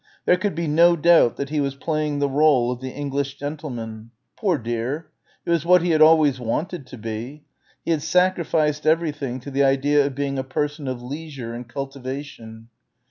There could be no doubt that he was playing the rôle of the English gentleman. Poor dear. It was what he had always wanted to be. He had sacrificed everything to the idea of being a "person of leisure and cultivation."